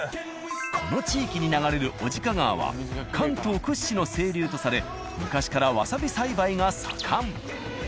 この地域に流れる男鹿川は関東屈指の清流とされ昔からわさび栽培が盛ん。